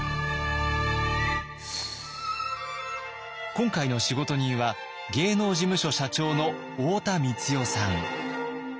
今回の仕事人は芸能事務所社長の太田光代さん。